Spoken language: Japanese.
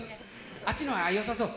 あっちのほうがよさそう？